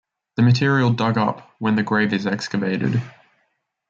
The material dug up when the grave is excavated.